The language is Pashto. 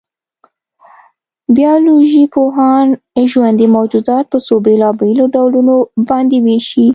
بایولوژيپوهان ژوندي موجودات په څو بېلابېلو ډولونو باندې وېشي.